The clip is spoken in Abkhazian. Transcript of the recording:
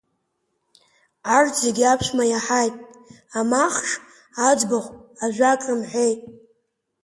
Арҭ зегьы аԥшәма иаҳаит, амахҽ аӡбахә ажәак рымҳәеит.